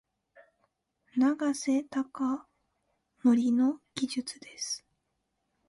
永瀬貴規の技術です。